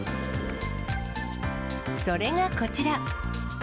それがこちら。